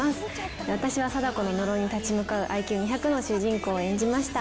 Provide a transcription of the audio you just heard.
私は貞子の呪いに立ち向かうＩＱ２００の主人公を演じました。